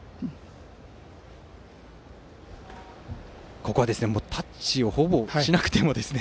ここはタッチをほぼしなくてもでしたね。